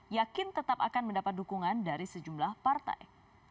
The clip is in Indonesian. yakin tetap akan mendapat dukungan dari sejumlah partai